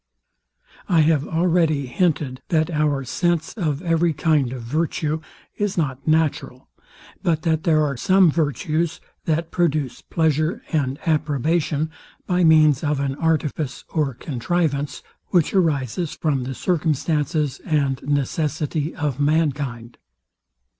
I have already hinted, that our sense of every kind of virtue is not natural; but that there are some virtues, that produce pleasure and approbation by means of an artifice or contrivance, which arises from the circumstances and necessity of mankind.